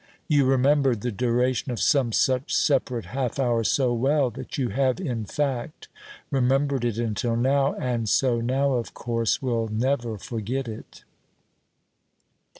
You remembered the duration of some such separate half hour so well that you have in fact remembered it until now, and so now, of course, will never forget it.